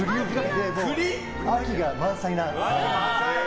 秋が満載な。